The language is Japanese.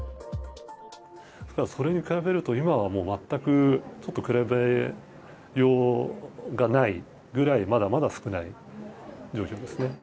それに比べると、今はもう全く、ちょっと比べようがないぐらい、まだまだ少ない状況ですね。